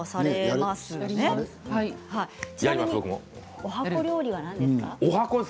ちなみにおはこ料理は何ですか？